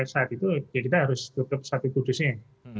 saat itu ya kita harus tutup satu kudusnya